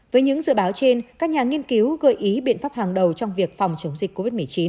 với những dự báo trên các nhà nghiên cứu gợi ý biện pháp hàng đầu trong việc phòng chống dịch covid một mươi chín